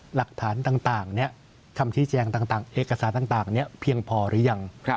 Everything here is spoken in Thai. หลักฐานต่างคำชี้แจงต่างเอกสารต่างเพียงพอหรือยัง